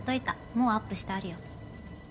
もうアップしてあるよ。